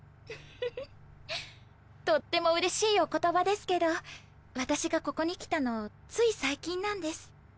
フフフとってもうれしいお言葉ですけど私がここに来たのつい最近なんです。